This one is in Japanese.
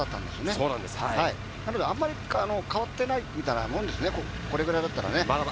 だけどあんまり変わってないみたいなもんですね、これくらいだったらね。